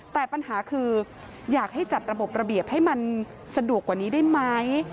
แต่ปัญหาคืออยากให้จัดระบบระเบียบให้มันสะดวกกว่านี้ได้ไหม